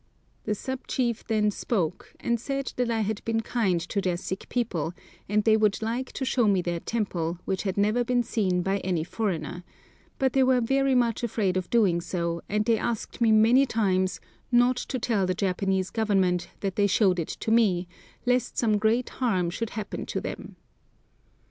The sub chief then spoke, and said that I had been kind to their sick people, and they would like to show me their temple, which had never been seen by any foreigner; but they were very much afraid of doing so, and they asked me many times "not to tell the Japanese Government that they showed it to me, lest some great harm should happen to them."